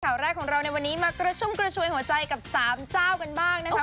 ข่าวแรกของเราในวันนี้มากระชุ่มกระชวยหัวใจกับสามเจ้ากันบ้างนะคะ